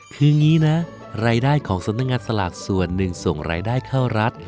คืออย่างนี้นะรายได้ของสำนักงานสลากส่วนหนึ่งส่งรายได้เข้ารัฐ